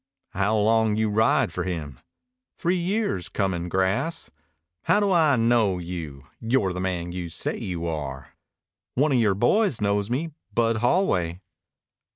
"How long you ride for him?" "Three years comin' grass." "How do I knew you you're the man you say you are?" "One of yore boys knows me Bud Holway."